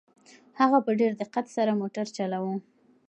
هغه په ډېر دقت سره موټر چلاوه.